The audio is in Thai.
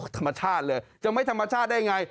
ธรรมชาติเลยจะไม่ธรรมชาติได้ไง